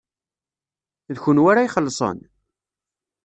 D kenwi ara ixellṣen?